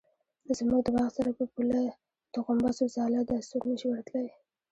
زموږ د باغ سره په پوله د غومبسو ځاله ده څوک نشي ورتلی.